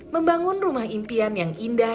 membangun rumah impian yang indah